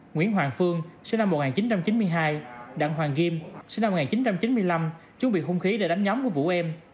nguyễn hoàng phương sinh năm một nghìn chín trăm chín mươi hai đặng hoàng kim sinh năm một nghìn chín trăm chín mươi năm chuẩn bị hung khí để đánh nhóm của vũ em